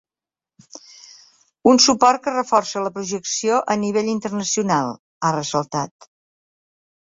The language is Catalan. “Un suport que reforça la projecció a nivell internacional”, ha ressaltat.